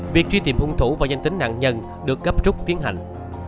việc truy tìm hung thủ và danh tính nạn nhân được cấp trúc tiến hành